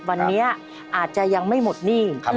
วันนี้อาจจะยังไม่หมดหนี้